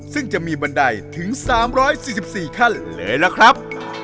ซึ่งจะมีบันไดถึง๓๔๔ขั้นเลยล่ะครับ